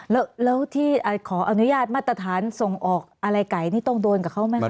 แล้วที่ขออนุญาตมาตรฐานส่งออกอะไรไก่นี่ต้องโดนกับเขาไหมคะ